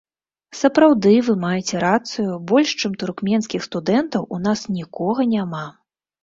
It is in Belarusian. Сапраўды, вы маеце рацыю, больш, чым туркменскіх студэнтаў, у нас нікога няма.